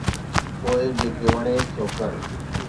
پوءِ جيڪي وڻيس سو ڪر.